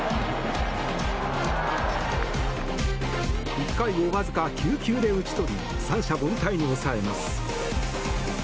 １回をわずか９球で打ち取り三者凡退に抑えます。